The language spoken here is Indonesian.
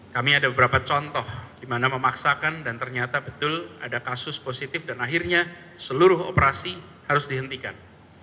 kami ada beberapa contoh di mana memaksakan dan ternyata betul ada kasus positif dan akhirnya seluruh operasi harus dihentikan